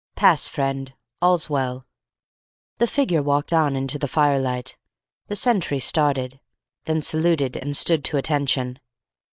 "Pass friend! All's well." The figure walked on into the firelight. The sentry started; then saluted and stood to attention.